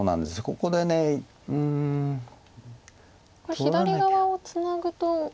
これ左側をツナぐと。